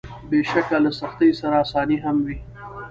بېشکه له سختۍ سره اساني هم وي.